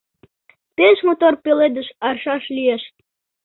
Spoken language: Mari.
Пеш мотор пеледыш аршаш лиеш.